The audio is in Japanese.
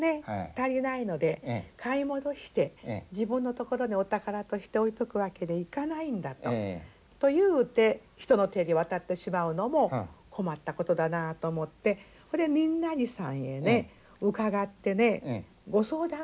足りないので買い戻して自分のところにお宝として置いとくわけにいかないんだと。というて人の手に渡ってしまうのも困ったことだなと思ってこれ仁和寺さんへね伺ってねご相談を申し上げたと。